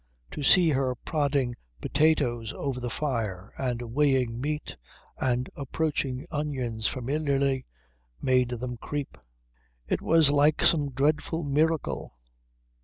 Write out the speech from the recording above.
To see her prodding potatoes over the fire, and weighing meat, and approaching onions familiarly made them creep. It was like some dreadful miracle.